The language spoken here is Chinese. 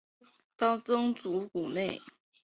当高僧祖古内。